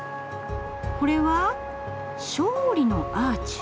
これは「『勝利のアーチ』。